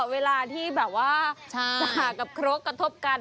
เวลาที่แบบว่าส่าห์กับครกกระทบกัน